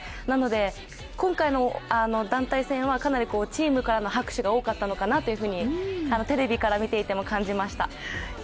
なので今回の団体戦はかなりチームからの拍手が多かったのかなとテレビから見ていても感じました。